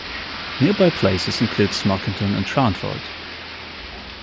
Nearby places include Smockington, and Sharnford.